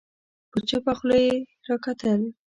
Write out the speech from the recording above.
په چوپه خوله يې راکتل